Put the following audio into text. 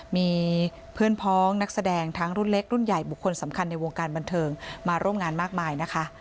มีเพื่อนพ้องนักแสดงทั้งรุ่นเล็กรุ่นใหญ่บุคคลสำคัญในวงการบันเทิงมาร่วมงานมากมายนะคะ